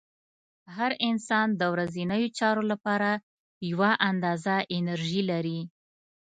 هر انسان د ورځنیو چارو لپاره یوه اندازه انرژي لري.